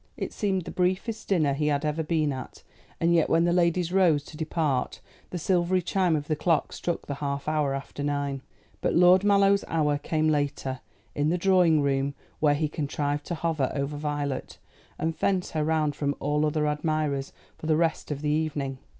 It seemed the briefest dinner he had ever been at; and yet when the ladies rose to depart the silvery chime of the clock struck the half hour after nine. But Lord Mallow's hour came later, in the drawing room, where he contrived to hover over Violet, and fence her round from all other admirers for the rest of the evening.